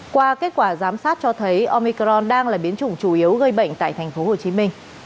qua kết quả giám sát cho thấy omicron đang là biến chủng chủ yếu gây bệnh tại tp hcm